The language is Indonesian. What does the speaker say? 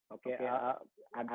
oke sepertinya memang masih ada gangguan